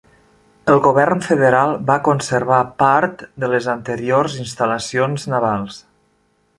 El govern federal va conservar part de les anteriors instal·lacions navals.